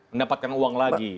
mendapatkan uang lagi